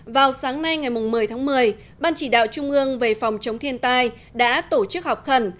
vào sáng nay ngày một mươi tháng một mươi ban chỉ đạo trung ương về phòng chống thiên tai đã tổ chức họp khẩn